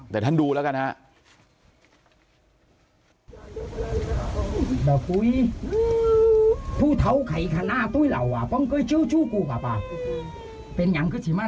แต่ท่านดูแล้วกันฮะ